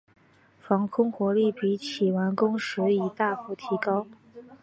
防空火力比起完工时已大幅提高。